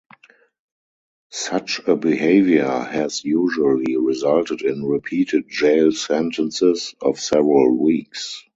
Such a behaviour has usually resulted in repeated jail sentences of several weeks.